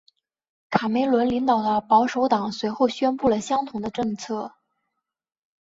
卡梅伦领导的保守党随后宣布了相同的政策。